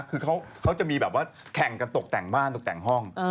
คือเขาจะมีแบบว่าแข่งกันตกแต่งบ้านตกแต่งห้อง